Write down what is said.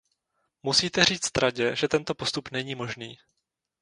Musíte říct Radě, že tento postup není možný.